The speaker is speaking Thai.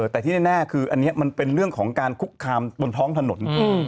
แต่ที่แน่คืออันนี้มันเป็นเรื่องของการคุกคามบนท้องถนน